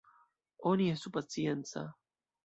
Oni estu pacienca!